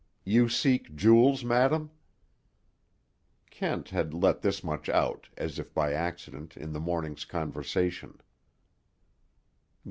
You seek jewels, madam?" (Kent had let this much out, as if by accident, in the morning's conversation.)